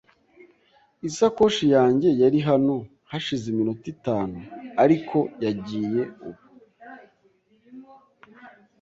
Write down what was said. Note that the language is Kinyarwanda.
Isakoshi yanjye yari hano hashize iminota itanu, ariko yagiye ubu .